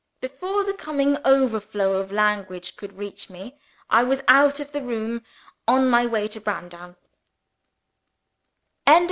Before the coming overflow of language could reach me, I was out of the room, on my way to Browndown.